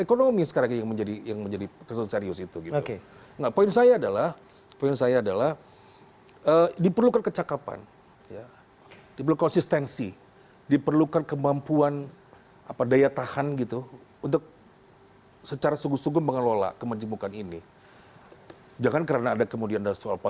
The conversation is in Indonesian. kami akan segera kembali